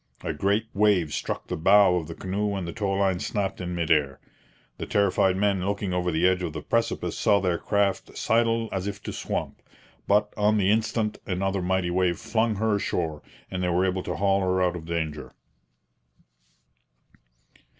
A great wave struck the bow of the canoe and the tow line snapped in mid air. The terrified men looking over the edge of the precipice saw their craft sidle as if to swamp; but, on the instant, another mighty wave flung her ashore, and they were able to haul her out of danger.